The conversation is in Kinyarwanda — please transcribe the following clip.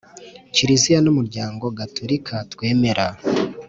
kiliziya n’umuryango gaturika twemera